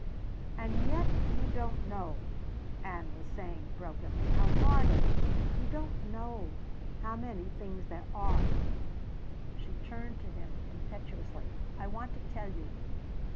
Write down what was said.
"And yet you don't know," Ann was saying brokenly, "how hard it is. You don't know how many things there are." She turned to him impetuously. "I want to tell you!